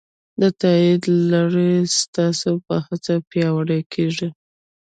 د تایید لړۍ ستاسو په هڅه پیاوړې کېږي.